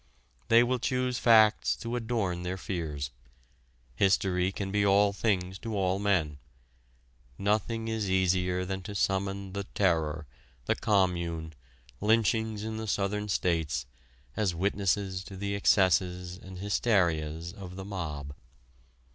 They will choose facts to adorn their fears. History can be all things to all men: nothing is easier than to summon the Terror, the Commune, lynchings in the Southern States, as witnesses to the excesses and hysterias of the mob.